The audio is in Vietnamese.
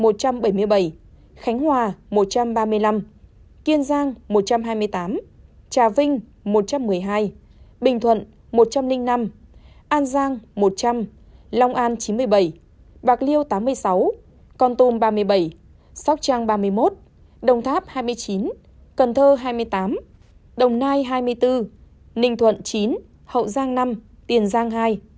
thành hòa một trăm ba mươi năm kiên giang một trăm hai mươi tám trà vinh một trăm một mươi hai bình thuận một trăm linh năm an giang một trăm linh long an chín mươi bảy bạc liêu tám mươi sáu con tôm ba mươi bảy sóc trang ba mươi một đồng tháp hai mươi chín cần thơ hai mươi tám đồng nai hai mươi bốn ninh thuận chín hậu giang năm tiền giang hai